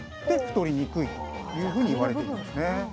で太りにくいというふうに言われているんですね。